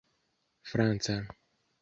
franca